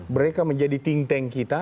mereka menjadi think tank kita